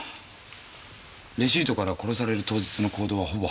レシートから殺される当日の行動はほぼ把握できたって。